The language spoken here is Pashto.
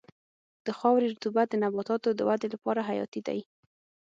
د خاورې رطوبت د نباتاتو د ودې لپاره حیاتي دی.